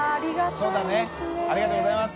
そうだねありがとうございます。